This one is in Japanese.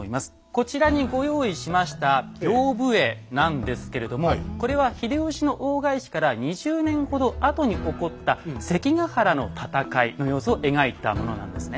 こちらにご用意しました屏風絵なんですけれどもこれは秀吉の大返しから２０年ほど後に起こった関ヶ原の戦いの様子を描いたものなんですね。